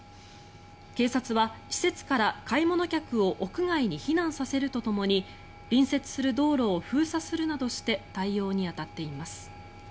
警察は、施設から買い物客を屋外に避難させるとともに隣接する道路を封鎖するなどして対応に当たっています。